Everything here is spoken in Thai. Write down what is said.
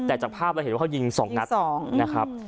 แต่จากภาพเลยเห็นว่าเขายิงสองนัด